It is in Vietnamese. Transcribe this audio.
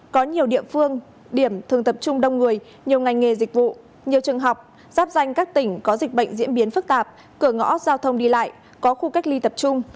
có nhiều địa phương điểm thường tập trung đông người nhiều ngành nghề dịch vụ nhiều trường học giáp danh các tỉnh có dịch bệnh diễn biến phức tạp cửa ngõ giao thông đi lại có khu cách ly tập trung